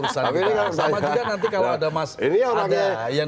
sama juga kalau nanti ada mas ada yang dimainin